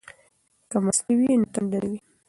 که مستې وي نو تنده نه وي.